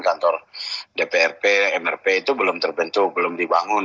kantor dprp mrp itu belum terbentuk belum dibangun